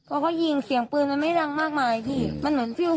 พอเขายิงเสียงปืนมันไม่ดังมากมายพี่มันเหมือนฟิล